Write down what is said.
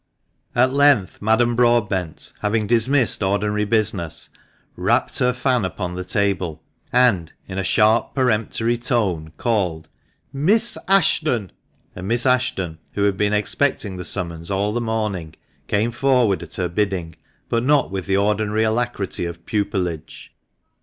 At length Madame Broadbent, having dismissed ordinary business, rapped her fan upon the table, and, in a sharp, peremptory tone, called " Miss Ashton !"— and Miss Ashton, who had been expecting the summons all the morning, came forward at her bidding, but not with the ordinary alacrity of pupilage.